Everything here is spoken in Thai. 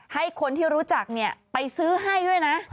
ให้คนที่รู้จักไปซื้อให้ด้วยนะ